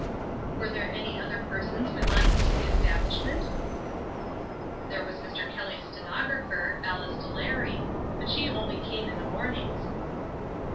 "Were there any other persons belonging to the establishment?" "There was Mr. Kelly's stenographer, Alice Delary, but she only came in the mornings."